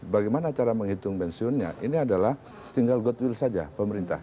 bagaimana cara menghitung pensiunnya ini adalah tinggal goodwill saja pemerintah